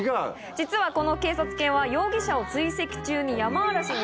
実はこの警察犬は容疑者を追跡中に。